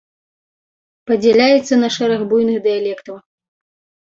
Падзяляецца на шэраг буйных дыялектаў.